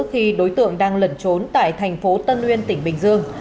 khi đối tượng đang lẩn trốn tại thành phố tân uyên tỉnh bình dương